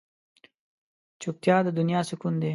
چوپتیا، د دنیا سکون دی.